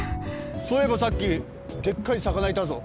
そういえばさっきでっかいさかないたぞ。